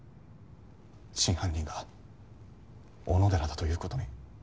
真犯人が小野寺だということに。